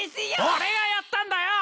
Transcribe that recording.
俺がやったんだよ！